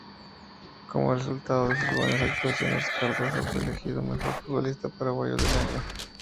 Como resultado de sus buenas actuaciones, Cardozo fue elegido mejor futbolista paraguayo del año.